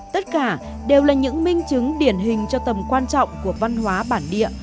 tất cả đều là những minh chứng điển hình cho tầm quan trọng của văn hóa bản địa